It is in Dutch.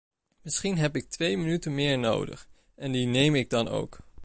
Misschien heb ik twee minuten meer nodig, en die neem ik dan ook.